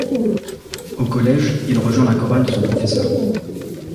Au collège, il rejoint la chorale de son professeur.